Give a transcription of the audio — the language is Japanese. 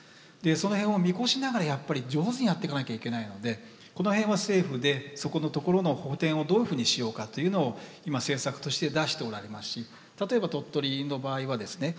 そのへんを見越しながらやっぱり上手にやってかなきゃいけないのでこのへんは政府でそこのところの補填をどういうふうにしようかというのを今政策として出しておられますし例えば鳥取の場合はですね